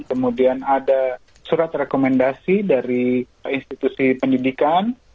kemudian ada surat rekomendasi dari institusi pendidikan